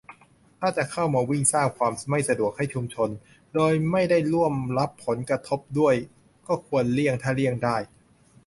ถ้าจะเข้ามาวิ่ง สร้างความไม่สะดวกให้ชุมชน โดยไม่ได้ร่วมรับผลกระทบด้วย ก็ควรเลี่ยงถ้าเลี่ยงได้